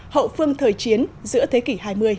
hậu phương thời chiến giữa thế kỷ hai mươi